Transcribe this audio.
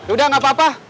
udah nggak apa apa